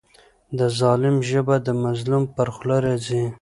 د ظالم ژبه د مظلوم پر خوله راځي.